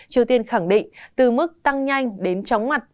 triều tiên khẳng định từ mức tăng nhanh đến chóng mặt